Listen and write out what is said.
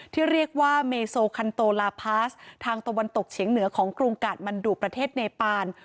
ที่เรียกว่าเมโซคันโตลาพาสทางตะวันตกเฉียงเหนือของกรุงกาดมันดุประเทศเนปาน